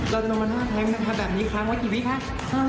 แล้วเราจะกลับขึ้นมาครับ